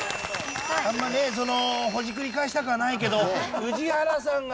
あんまりねそのほじくり返したくはないけど宇治原さんが。